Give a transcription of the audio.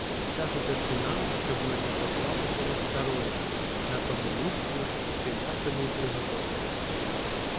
Скажете синам, щоб мене поклали коло старої, на тому місці, що я собі приготовив.